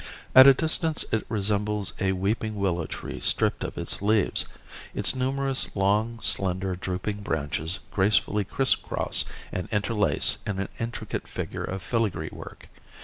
At a distance it resembles a weeping willow tree stripped of its leaves. Its numerous long, slender, drooping branches gracefully criss cross and interlace in an intricate figure of filigree work.